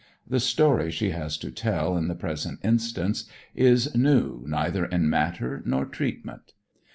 The story she has to tell in the present instance is new neither in matter nor treatment.